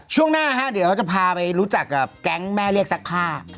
ช่วงหน้าฮะเดี๋ยวจะพาไปรู้จักกับแก๊งแม่เรียกซักผ้า